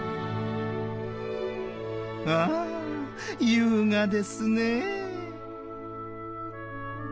ああ優雅ですね。